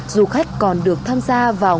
du khách còn được tham gia vào